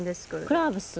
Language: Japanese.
クラーブス。